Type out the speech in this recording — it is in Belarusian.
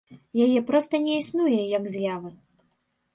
Яе проста не існуе, як з'явы.